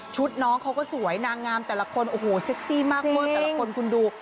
น้องเขาก็สวยนางงามแต่ละคนโอ้โหเซ็กซี่มากเวอร์แต่ละคนคุณดู